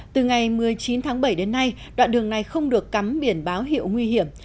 từ ngày một mươi chín tháng bảy đến nay đoạn đường này không được cắm biển báo hiệu nguy hiểm